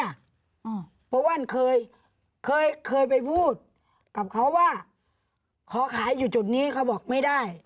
เพราะว่าเคยเคยไปพูดกับเขาว่าขอขายอยู่จุดนี้เขาบอกไม่ได้